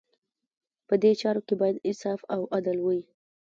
په دې چارو کې باید انصاف او عدل وي.